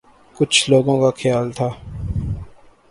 کچھ لوگوں کا خیال تھا